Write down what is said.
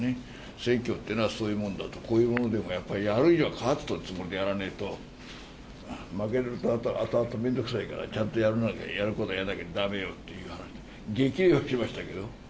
選挙というのはそういうものだと、こういうものでもやっぱり、やる以上は勝つつもりでやらねぇと、負けると後々面倒くさいから、ちゃんとやるなら、やることやらなきゃだめよっていう、激励はしましたけど。